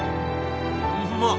うまっ！